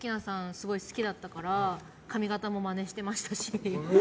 すごい好きだったから髪形もマネしてましたし